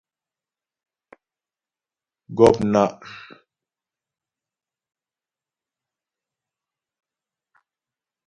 Gɔ̂pnaʼ.